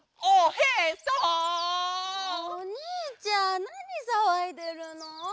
おにいちゃんなにさわいでるの？